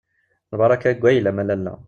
Lbaṛaka deg wayla-m a Lalla.